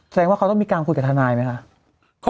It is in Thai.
แสดงว่าเขาต้องมีการคุยกับทนายไหมคะ